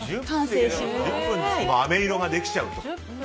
１０分であめ色ができちゃうと。